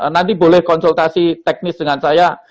nanti boleh konsultasi teknis dengan saya